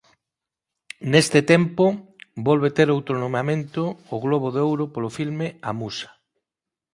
Neste tempo volve ter outro nomeamento ó Globo de Ouro polo filme "A musa".